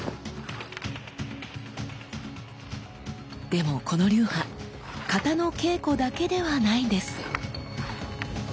でもこの流派型の稽古だけではないんです。